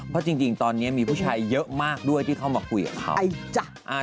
เพราะจริงตอนนี้มีผู้ชายเยอะมากด้วยที่เข้ามาคุยกับเขา